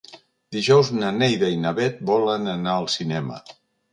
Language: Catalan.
Dijous na Neida i na Bet volen anar al cinema.